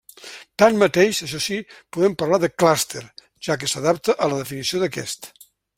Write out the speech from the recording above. Tanmateix, això si, podem parlar de clúster, ja que s'adapta a la definició d'aquest.